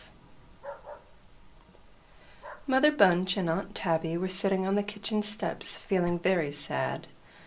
XII Mother Bunch and Aunt Tabby were sitting on the kitchen steps, feeling very sad.